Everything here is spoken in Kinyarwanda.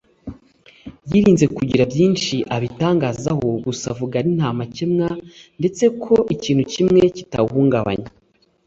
yirinze kugira byinshi abitangazaho gusa avuga ari nta makemwa ndetse ko ‘ikintu kimwe kitawuhungabanya